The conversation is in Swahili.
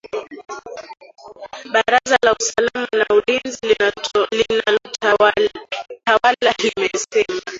Baraza la usalama na ulinzi linalotawala limesema